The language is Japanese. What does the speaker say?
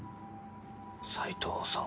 斎藤さん。